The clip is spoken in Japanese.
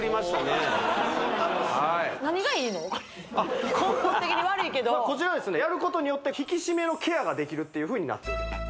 これ根本的に悪いけどこちらはですねやることによってができるっていうふうになっております